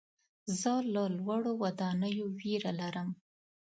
زه له لوړو ودانیو ویره لرم.